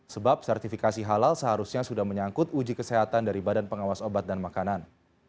sebab sertifikasi halal seharusnya sudah menyangkut uji kesehatan dari badan pengawas obat dan makanan